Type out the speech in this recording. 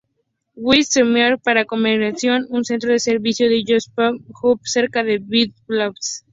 Wagnitz-Seminar como conmemoración, un centro de servicio en Joseph-Baum-Haus cerca de Wiesbaden.